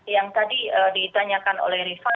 yang tadi ditanyakan oleh rifat